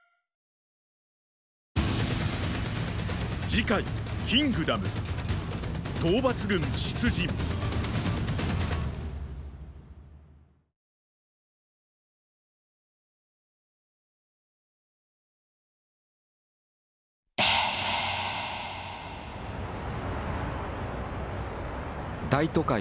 次回「キングダム」大都会